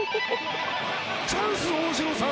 チャンス大城さん。